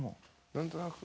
何となく。